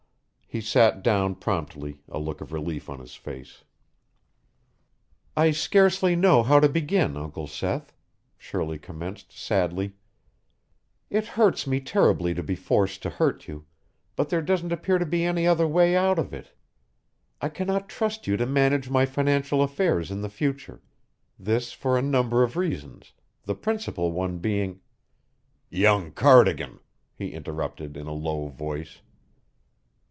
He sat down promptly, a look of relief on his face. "I scarcely know how to begin, Uncle Seth," Shirley commenced sadly. "It hurts me terribly to be forced to hurt you, but there doesn't appear to be any other way out of it. I cannot trust you to manage my financial affairs in the future this for a number of reasons, the principal one being " "Young Cardigan," he interrupted in a low voice.